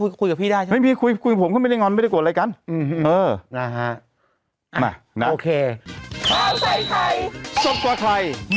เขาคุยกับพี่ได้ใช่ไหมครับผมไม่ได้งอนไม่ได้โกนอะไรกันโอเคค่ะมานะ